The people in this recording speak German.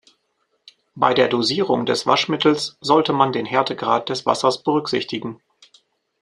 Bei der Dosierung des Waschmittels sollte man den Härtegrad des Wassers berücksichtigen.